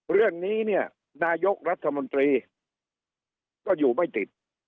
เรื่องนี้เนี่ยนายกรัฐมนตรีก็อยู่ไม่ติด